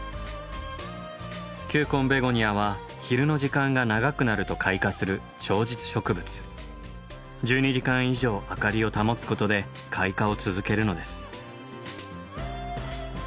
球根ベゴニアは昼の時間が長くなると開花する１２時間以上明かりを保つことで開花を続けるのです。